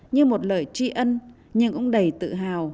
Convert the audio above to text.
như một lời tri ân nhưng cũng đầy tự hào